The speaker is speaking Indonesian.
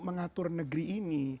mengatur negeri ini